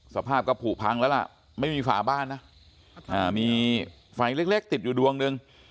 สภาพก็ผูพังแล้วล่ะไม่มีฝาบ้านนะมีไฟเล็กติดอยู่ดวงหนึ่ง